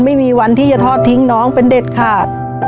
ไม่มีวันที่จะทอดทิ้งน้องเป็นเด็ดขาด